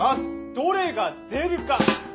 どれが出るか。